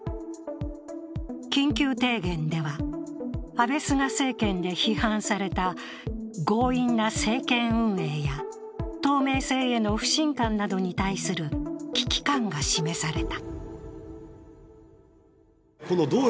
緊急提言では、安倍・菅政権で批判された強引な政権運営や透明性への不信感などに対する危機感が示された。